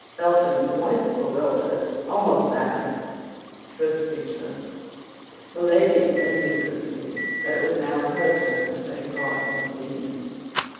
Felton, quite bewildered, almost mad, stood speechless. Milady plainly perceived that it was now her turn to take part in the scene.